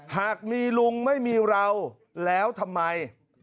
หากมีลุงไม่มีเราแล้วทำไม